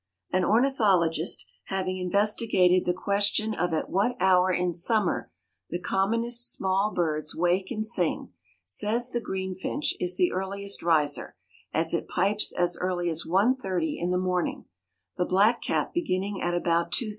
An ornithologist, having investigated the question of at what hour in summer the commonest small birds wake and sing, says the greenfinch is the earliest riser, as it pipes as early as 1:30 in the morning, the blackcap beginning at about 2:30.